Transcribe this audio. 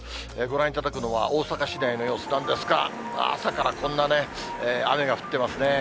ご覧いただくのは、大阪市内の様子なんですが、朝からこんなね、雨が降ってますね。